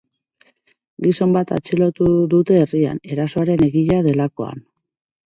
Gizon bat atxilotu dute herrian, erasoaren egilea delakoan.